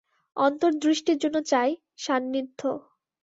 অন্তর্দৃষ্টির জন্য চাই সান্নিধ্য।